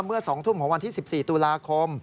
เมื่อ๒ทุ่มของวันที่๑๔ตุลาคม